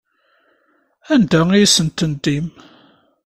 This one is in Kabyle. Anda ay asent-tendim?